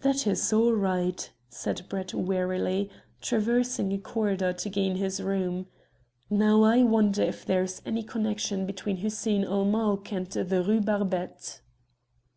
"That is all right," said Brett wearily, traversing a corridor to gain his room. "Now, I wonder if there is any connexion between Hussein ul Mulk and the Rue Barbette."